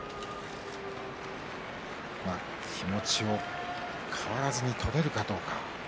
気持ちを変わらず取れるかどうか。